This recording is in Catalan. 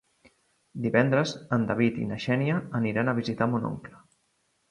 Divendres en David i na Xènia aniran a visitar mon oncle.